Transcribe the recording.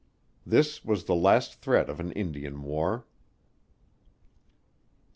This was the last threat of an Indian war.